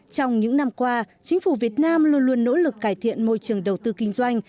trong những năm qua chính phủ việt nam luôn luôn nỗ lực cải thiện môi trường đầu tư kinh doanh